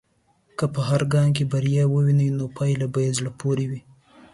که په هر ګام کې بریا ووینې، نو پايله به په زړه پورې وي.